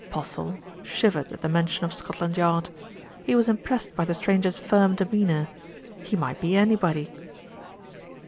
Postle shivered at the mention of Scotland Yard. He was impressed by the stranger's firm demeanour. He might be anybody.